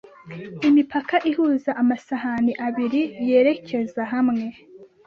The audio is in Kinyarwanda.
Imipaka ihuza amasahani abiri yerekeza hamwe